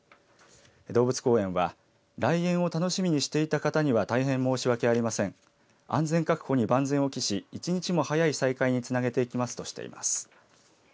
動物公園は来園を楽しみにしていた方には大変申し訳ありません安全確保に万全を期し一日も早い再開につなげていきますとしています。